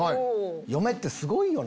嫁ってすごいよな！